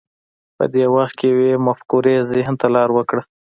په دې وخت کې یوې مفکورې ذهن ته لار وکړه